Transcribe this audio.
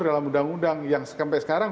dalam undang undang yang sampai sekarang